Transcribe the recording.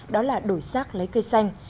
đó là đổi sát lấy cây xanh